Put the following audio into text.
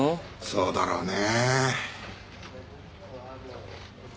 そうだろうね。